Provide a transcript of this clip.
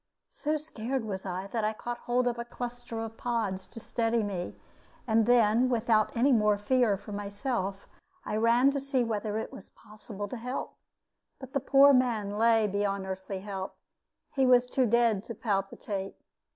So scared was I that I caught hold of a cluster of pods to steady me; and then, without any more fear for myself, I ran to see whether it was possible to help. But the poor man lay beyond earthly help; he was too dead to palpitate.